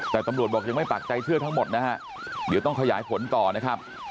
แต่ตำรวจบอกยังไม่ปากใจเชื่อทั้งหมดนะฮะเดี๋ยวต้องขยายผลต่อนะครับ